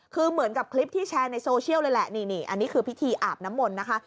คือเหมือนกับคลิปที่แชร์ในโซเชียลเลยแหละนี่อันนี้คือพิธีอาบน้ำมนต์นะคะ